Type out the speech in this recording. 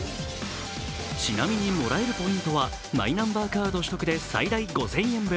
ちなみにもらえるポイントはマイナンバーカード取得で最大５０００円分、